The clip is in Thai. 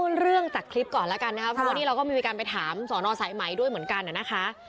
เรื่องจากคลิปก่อนแล้วกันนะครับเพราะว่านี่เราก็มีการไปถามสอนอสายไหมด้วยเหมือนกันนะคะ